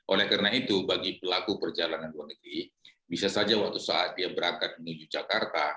oleh karena itu bagi pelaku perjalanan luar negeri bisa saja waktu saat dia berangkat menuju jakarta